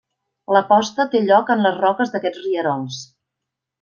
La posta té lloc en les roques d'aquests rierols.